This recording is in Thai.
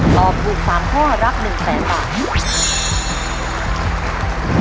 ตอบถูก๓ข้อรับ๑แสนบาท